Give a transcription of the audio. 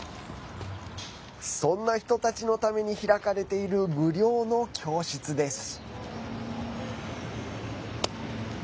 そんな人たちのために開かれている無料の教室です。